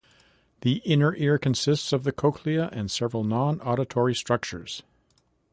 The inner ear consists of the cochlea and several non-auditory structures.